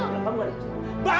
kamu gak ada kecewa